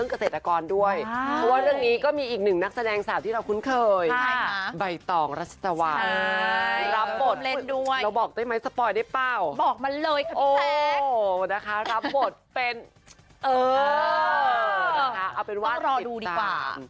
บอกมาเลยค่ะพี่แซคโอ้โหนะคะรับบทเป็นเออเอาเป็นว่าติดตาม